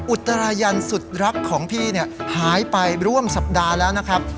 อุตรายันสุดรักของพี่หายไปร่วมสัปดาห์แล้วนะครับ